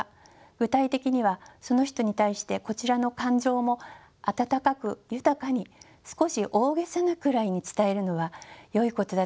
具体的にはその人に対してこちらの感情も温かく豊かに少し大げさなくらいに伝えるのはよいことだと思います。